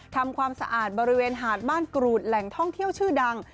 ทำความสะอาดบริเวณหาดบ้านกรูดแหล่งท่องเที่ยวชื่อดัง